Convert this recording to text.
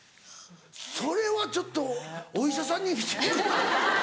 それはちょっとお医者さんに。